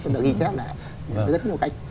được ghi chắc là có rất nhiều khách